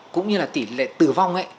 cũng như là tỷ lệ tử vong